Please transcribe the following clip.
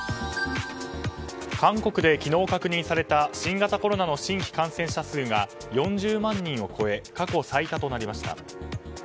韓国で昨日確認された新型コロナの新規感染者数が４０万人を超え過去最多となりました。